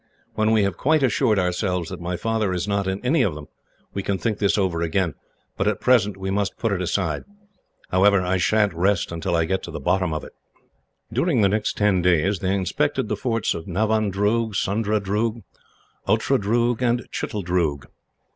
When we have quite assured ourselves that my father is not in any of them, we can think this over again; but at present we must put it aside. However, I sha'n't rest until I get to the bottom of it." During the next ten days, they inspected the forts of Navandroog, Sundradroog, Outradroog, and Chitteldroog.